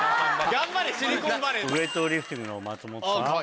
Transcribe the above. ウエイトリフティングの松本さん。